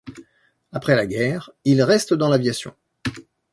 Après la guerre, il reste dans l'aviation.